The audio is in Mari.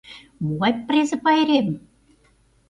Могай презе пайрем?